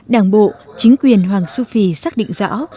đảng bộ chính quyền hoàng su phi xác định rõ